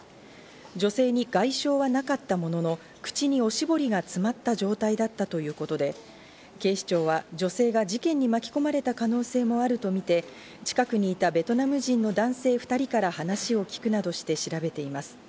女性に外傷はなかったものの、口におしぼりが詰まった状態だったということで、警視庁は女性が事件に巻き込まれた可能性もあるとみて、近くにいたベトナム人の男性２人から話を聞くなどして調べています。